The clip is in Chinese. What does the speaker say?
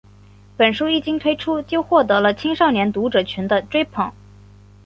本书一经推出就获得了青少年读者群的追捧。